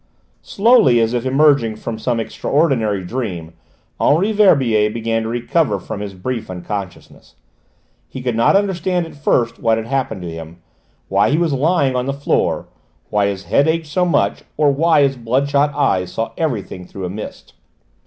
Slowly, as if emerging from some extraordinary dream, Henri Verbier began to recover from his brief unconsciousness: he could not understand at first what had happened to him, why he was lying on the floor, why his head ached so much, or why his blood shot eyes saw everything through a mist.